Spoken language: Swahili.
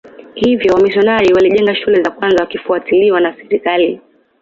Hivyo wamisionari walijenga shule za kwanza wakifuatiliwa na serikali